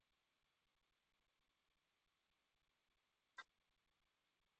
Tortura sistematikoak izan zirela frogatu nahi dute.